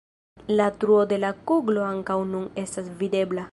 La truo de la kuglo ankaŭ nun estas videbla.